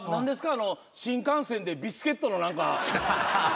あの新幹線でビスケットの何か。